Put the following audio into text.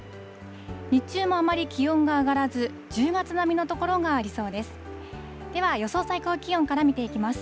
日中もあまり気温が上がらず、１０月並みの所がありそうです。